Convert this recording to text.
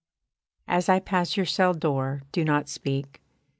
As I pass your cell door do not speak.